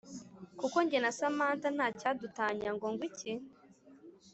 kuko njye na samantha ntacyadutanya ngo ngwiki